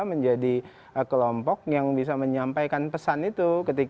menjadi kelompok yang bisa menyampaikan pesan itu